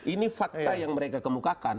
ini fakta yang mereka kemukakan